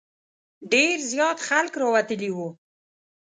ډېر زیات خلک راوتلي وو.